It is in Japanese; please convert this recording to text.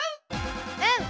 うん！